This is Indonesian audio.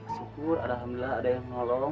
syukur alhamdulillah ada yang menolong